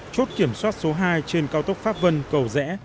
chốt kiểm soát số hai trên cao tốc pháp vân cầu rẽ